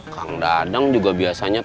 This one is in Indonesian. kang dadeng juga biasanya